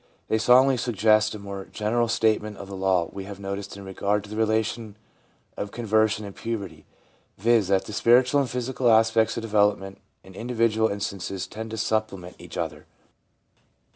They strongly suggest a more general statement of the law we have noticed in regard to the relation of con version and puberty, viz., that the spiritual and physical aspects of development in individual instances tend to supplement each other.